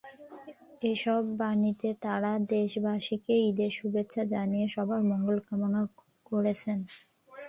এসব বাণীতে তাঁরা দেশবাসীকে ঈদের শুভেচ্ছা জানিয়ে সবার মঙ্গল কামনা করেছেন।